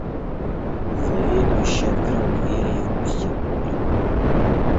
Заведующий открыл двери и впустил публику.